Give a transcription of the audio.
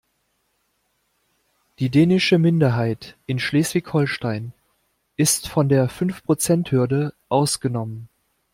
Die dänische Minderheit in Schleswig-Holstein ist von der Fünfprozenthürde ausgenommen.